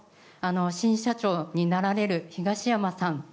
新社長になられる東山さん